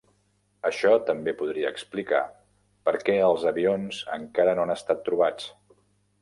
Això també podria explicar per què els avions encara no han estat trobats.